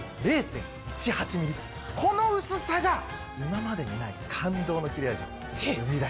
この薄さが今までにない感動の切れ味を生み出しちゃうんです。